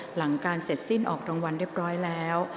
หลังการเสร็จสิ้นออกรางวัลเรียบร้อยแล้ว